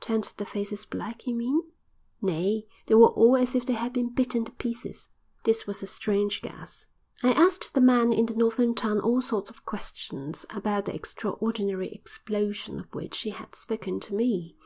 "Turned their faces black, you mean?" "Nay. They were all as if they had been bitten to pieces." This was a strange gas. I asked the man in the northern town all sorts of questions about the extraordinary explosion of which he had spoken to me.